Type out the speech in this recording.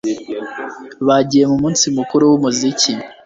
Bagiye mu munsi mukuru wumuziki